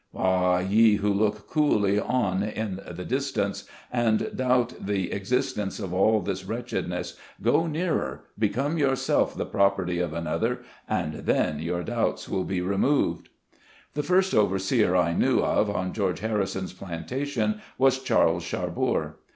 Ah, ye who look coolly on in the dis tance, and doubt the existence of all this wretched ness, go nearer, become yourself the property of another, and then your doubts will be removed ! The first overseer I knew of on George Harrison's plantation was Charles Charbour.